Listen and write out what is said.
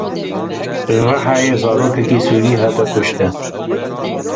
Li Rihayê zarokekî Sûrî hat kuştin.